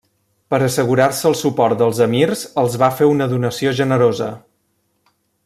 Per assegurar-se el suport dels emirs els va fer una donació generosa.